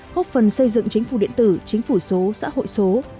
hốc phần xây dựng chính phủ điện tử chính phủ số xã hội số